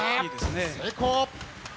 成功！